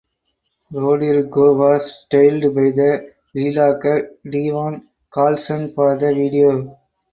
Rodrigo was styled by vlogger Devon Carlson for the video.